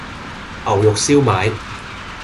牛肉燒賣